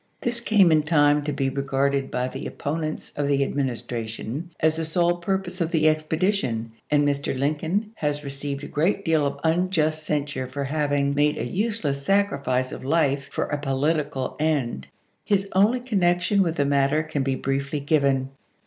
This came in time to be re garded by the opponents of the Administration as the sole purpose of the expedition, and Mr. Lincoln has received a great deal of unjust censure for having made a useless sacrifice of life for a politi cal end. His only connection with the matter can be briefly given.